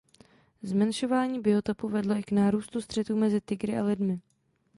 Zmenšování biotopu vedlo i k nárůstu střetů mezi tygry a lidmi.